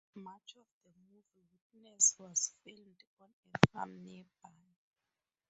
Much of the movie "Witness" was filmed on a farm nearby.